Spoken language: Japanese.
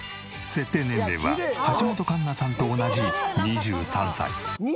設定年齢は橋本環奈さんと同じ２３歳。